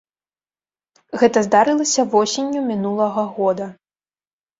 Гэта здарылася восенню мінулага года.